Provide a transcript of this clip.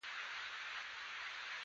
وروسته هر یو له صحنې وشاړه